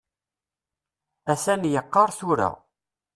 Atan yeqqaṛ tura.